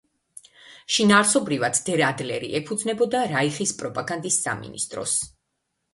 შინაარსობრივად „დერ ადლერი“ ეფუძნებოდა რაიხის პროპაგანდის სამინისტროს.